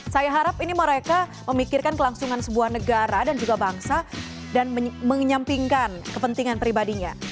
saya harap ini mereka memikirkan kelangsungan sebuah negara dan juga bangsa dan menyampingkan kepentingan pribadinya